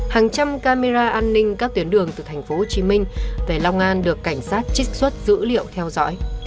hàng trăm camera an ninh các tuyến đường từ tp hcm về long an được cảnh sát trích xuất dữ liệu theo dõi